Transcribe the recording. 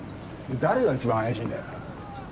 誰が一番怪しいんだよ？